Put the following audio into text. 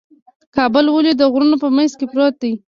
کابل ولې د غرونو په منځ کې پروت دی؟